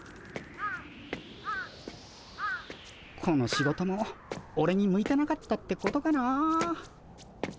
この仕事もオレに向いてなかったってことかな。